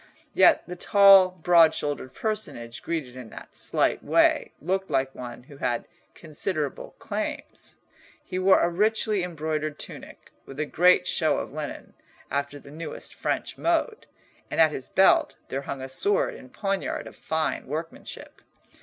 Yet the tall, broad shouldered personage greeted in that slight way looked like one who had considerable claims. He wore a richly embroidered tunic, with a great show of linen, after the newest French mode, and at his belt there hung a sword and poniard of fine workmanship.